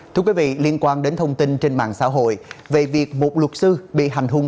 thưa quý vị liên quan đến thông tin trên mạng xã hội về việc một luật sư bị hành hung